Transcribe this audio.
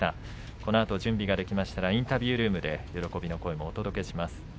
このあと準備ができたらインタビュールームで喜びの声をお届けします。